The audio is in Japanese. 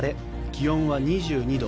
気温は２２度。